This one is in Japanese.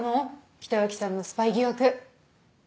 北脇さんのスパイ疑惑。